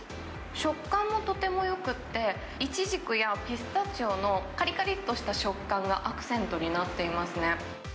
食感もとてもよくて、イチジクやピスタチオのかりかりっとした食感がアクセントになっていますね。